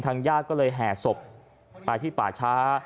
ญาติก็เลยแห่ศพไปที่ป่าช้า